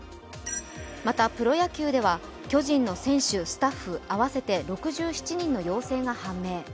また、プロ野球では巨人の選手、スタッフ合わせて６７人の陽性が判明。